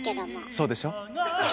そうでしょ？